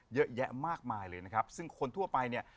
เยอะแยะมากมายเลยนะครับซึ่งคนทั่วไปเนี่ย